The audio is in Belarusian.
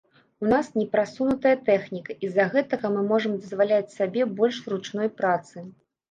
У нас непрасунутая тэхніка, і з-за гэтага мы можам дазваляць сабе больш ручной працы.